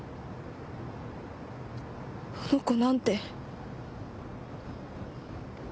あの子なんて？